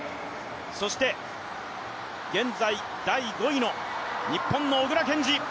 そして、現在第５位の日本の小椋健司。